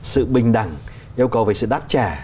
sự bình đẳng yêu cầu về sự đáp trả